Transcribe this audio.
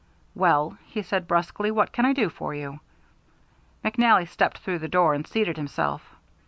"Well," he said brusquely, "what can I do for you?" McNally stepped through the door and seated himself.